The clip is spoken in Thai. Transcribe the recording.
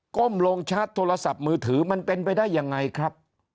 ้มลงชาร์จโทรศัพท์มือถือมันเป็นไปได้ยังไงครับ